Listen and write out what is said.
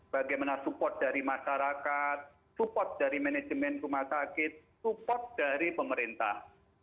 bagaimana support dari masyarakat support dari manajemen rumah sakit support dari pemerintah